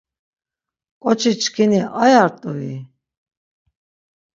K̆oçi çkini aya rt̆ui?